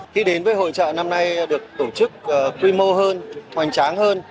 khi đến với hội trợ năm nay được tổ chức quy mô hơn hoành tráng hơn